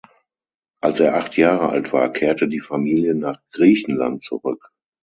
Als er acht Jahre alt war, kehrte die Familie nach Griechenland zurück.